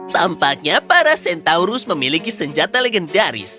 tampaknya para centaurus memiliki senjata legendaris